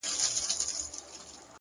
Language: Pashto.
د سهار هوا د بدن حرکت اسانه کوي